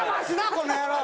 この野郎。